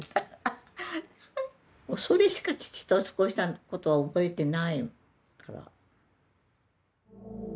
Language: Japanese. もうそれしか父と過ごしたことは覚えてないから。